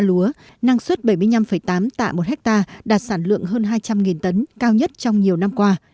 lúa năng suất bảy mươi năm tám tạ một hectare đạt sản lượng hơn hai trăm linh tấn cao nhất trong nhiều năm qua